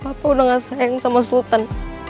bapak udah nggak sayang sama sultan